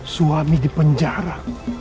suami di penjara